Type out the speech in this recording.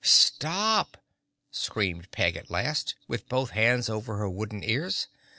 "Stop!" screamed Peg at last, with both hands over her wooden ears.